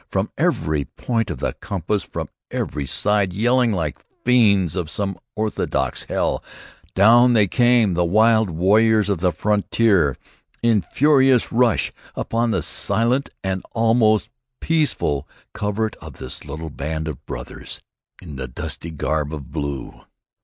From every point of the compass from every side, yelling like fiends of some orthodox hell, down they came the wild warriors of the frontier in furious rush upon the silent and almost peaceful covert of this little band of brothers in the dusty garb of blue.